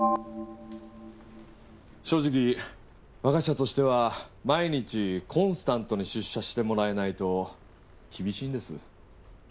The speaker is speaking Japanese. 正直我が社としては毎日コンスタントに出社してもらえないと厳しいんです。